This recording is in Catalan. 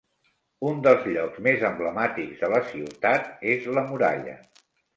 Un dels llocs més emblemàtics de la ciutat és la muralla.